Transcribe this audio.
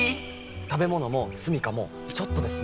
食べ物もすみかもちょっとで済みます。